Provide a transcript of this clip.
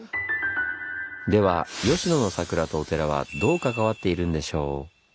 では吉野の桜とお寺はどう関わっているんでしょう？